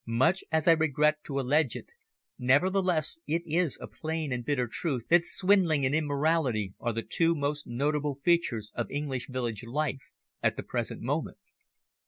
Much as I regret to allege it, nevertheless it is a plain and bitter truth that swindling and immorality are the two most notable features of English village life at the present moment.